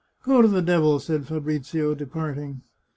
" Go to the devil !" said Fabrizio, departing.